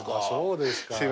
そうですか。